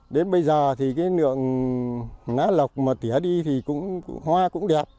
đến bây giờ thì cái lượng lá lọc mà tỉa đi thì hoa cũng đẹp